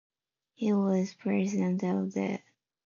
He was president of the Corte di Cassazione, the Italian Supreme Court.